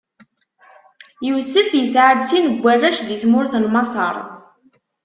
Yusef isɛa-d sin n warrac di tmurt n Maṣer.